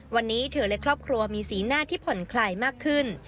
วันนี้เธอและครอบครัวมีสีหน้าที่ผ่อนคลายมากขึ้น